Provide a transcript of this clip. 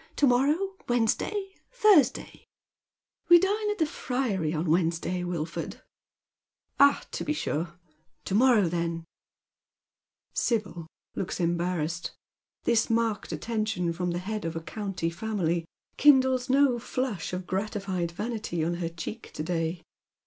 To morrow •—Wednesday — Thursdny ?"*' We dine at the Friary on Wednesday, Wilford." " Ah, to be sure. To morrow, then ?" Sibyl looks embarrassed. This marked attention from the head of a county family kindles no flush of gratified vanity on her cheek to day.